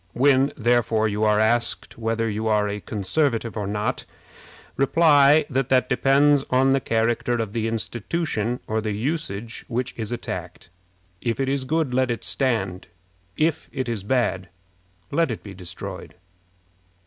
When, therefore, you are asked whether you are a Conservative or not, reply that that depends upon the character of the institution or the usage which is attacked. If it is good, let it stand. If it is bad, let it be destroyed.